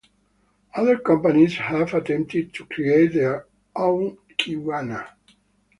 Other companies have attempted to create their own Kiwiana.